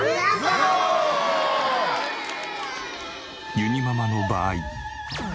ゆにママの場合。